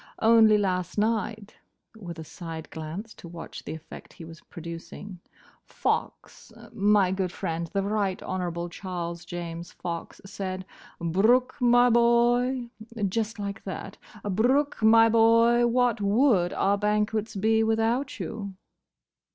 Only last night," with a side glance to watch the effect he was producing, "Fox—my good friend, the Right Honourable Charles James Fox—said, 'Brooke, my boy'—just like that—'Brooke, my boy, what would our banquets be without you?